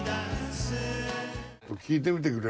聴いてみてくれる？